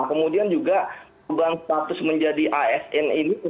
kemudian juga perubahan status menjadi asn ini